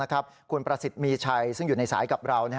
คุณประสิทธิ์มีชัยซึ่งอยู่ในสายกับเรา